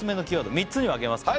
３つに分けますからね